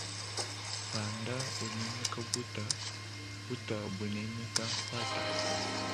Panda unemeka buta buta bunemeka mpata.